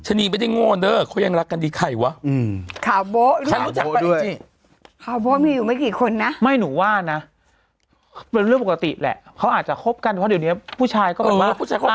ชะนีไม่ได้งกเหลอนิดเขายังรักกันดีใครวะ